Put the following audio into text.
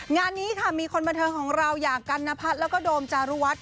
งานนี้ค่ะมีคนบันเทิงของเราอย่างกันนพัฒน์แล้วก็โดมจารุวัฒน